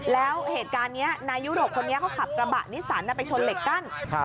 แล้วเหตุการณ์นี้นายุโรปคนนี้เขาขับกระบะนิสันไปชนเหล็กกั้น